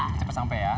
lancar cepat sampai ya